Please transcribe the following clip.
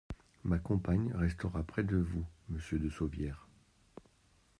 Ma compagne restera près de vous, monsieur de Sauvières.